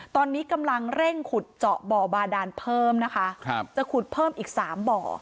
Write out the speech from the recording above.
ตอนนี้กำลังเร่งขุดเจาะบ่อบาดานเพิ่มนะคะครับจะขุดเพิ่มอีกสามบ่อ